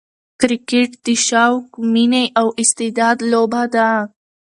کرکټ د شوق، میني او استعداد لوبه ده.